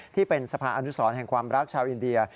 ที่เป็นสภาอนุสรแห่งความรักชาวอินเดีย